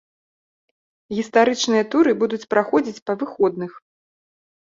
Гістарычныя туры будуць праходзіць па выходных.